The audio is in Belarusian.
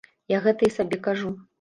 Я гэта і сабе кажу.